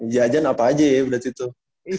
jajan apa aja ya berarti tuh